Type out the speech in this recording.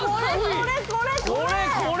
これこれこれこれ！